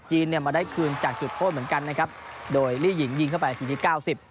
เนี่ยมาได้คืนจากจุดโทษเหมือนกันนะครับโดยลี่หญิงยิงเข้าไปนาทีที่เก้าสิบ